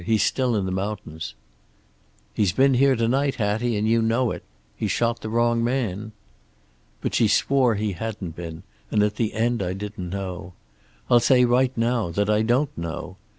He's still in the mountains." "He's been here to night, Hattie, and you know it. He shot the wrong man." "But she swore he hadn't been, and at the end I didn't know. I'll say right now that I don't know.